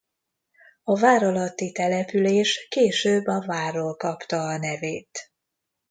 A vár alatti település később a várról kapta a nevét.